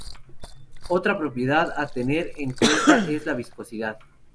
Otra propiedad a tener en cuenta es la viscosidad.